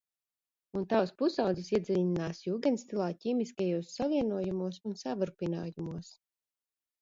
Un tavs pusaudzis iedziļinās jūgendstilā, ķīmiskajos savienojumos un savrupinājumos.